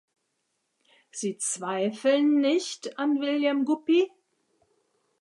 Sie zweifeln nicht an William Guppy?